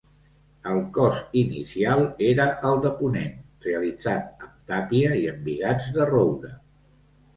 El cos inicial era el de ponent, realitzat amb tàpia i embigats de roure.